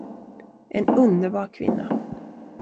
En underbar kvinna.